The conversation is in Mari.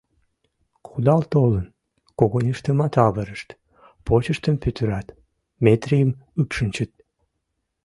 Кудал толын, когыньыштымат авырышт, почыштым пӱтырат, Метрийым ӱпшынчыт.